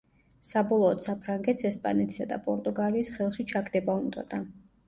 საბოლოოდ საფრანგეთს ესპანეთისა და პორტუგალიის ხელში ჩაგდება უნდოდა.